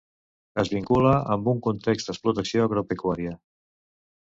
Es vincula amb un context d'explotació agropecuària.